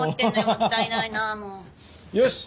もったいないなあもう。